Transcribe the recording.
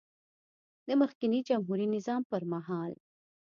د مخکېني جمهوري نظام پر مهال